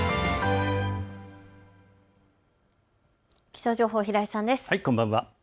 気象情報、平井さんです。